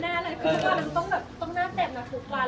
ตอนนั้นต้องหน้าเต็มมาทุกวัน